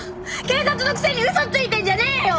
警察のくせに嘘ついてんじゃねえよ！